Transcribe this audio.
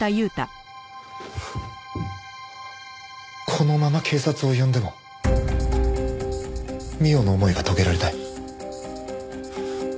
このまま警察を呼んでも美緒の思いは遂げられない。